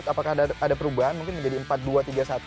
apakah ada perubahan mungkin menjadi empat dua tiga satu